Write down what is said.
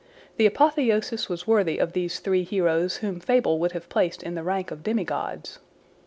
The apotheosis was worthy of these three heroes whom fable would have placed in the rank of demigods.